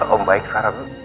om baik sarang